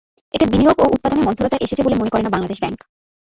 এতে বিনিয়োগ ও উৎপাদনে মন্থরতা এসেছে মনে করে না বাংলাদেশ ব্যাংক।